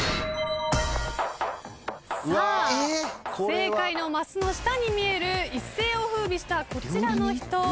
正解のマスの下に見える一世を風靡したこちらの人。